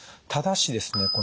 ただしですね